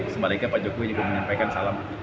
sebaliknya pak jokowi juga menyampaikan salam